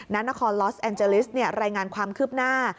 นครลอสแอนเจลิสรายงานความคืบหน้า